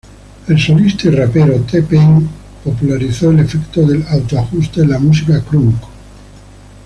El solista y rapero T-Pain popularizó el efecto del auto-ajuste en la música crunk.